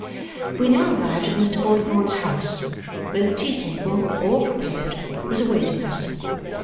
We now arrived at Mr. Boythorn's house, where the tea table, all prepared, was awaiting us.